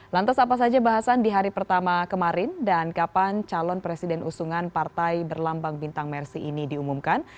lantas apa saja bahasan di hari pertama kemarin dan kapan calon presiden usungan partai berlambang bintang mersi ini diumumkan